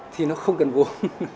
thì nó không cần vốn